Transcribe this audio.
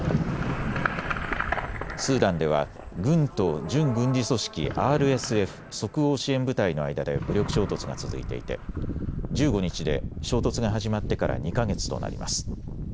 スーダンでは軍と準軍事組織ＲＳＦ・即応支援部隊の間で武力衝突が続いていて１５日で衝突が始まってから２か月となります。